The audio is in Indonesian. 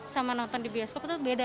sama nonton di bioskop itu beda